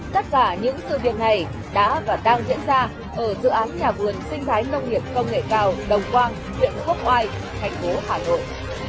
tất cả những sự việc này đã và đang diễn ra ở dự án nhà vườn sinh thái nông nghiệp công nghệ cao đồng quang huyện quốc oai thành phố hà nội